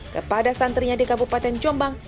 kepada santrinya di kabupaten jombang